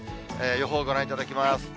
予報ご覧いただきます。